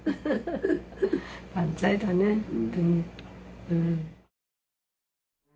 万歳だね本当に。